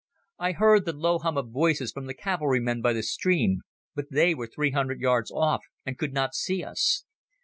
I heard the low hum of voices from the cavalrymen by the stream, but they were three hundred yards off and could not see us.